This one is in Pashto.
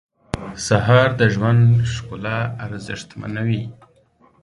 سهار د ژوند ښکلا ارزښتمنوي.